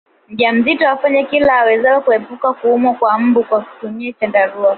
Mjamzito afanye kila awezalo kuepuka kuumwa na mbu kwa kutumia chandarua